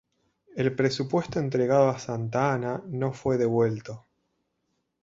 El presupuesto entregado a Santa Anna no fue devuelto.